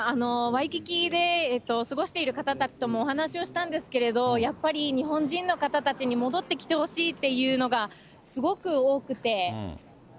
ワイキキで過ごしている方たちともお話をしたんですけれど、やっぱり日本人の方たちに戻ってきてほしいっていうのが、すごく多くて。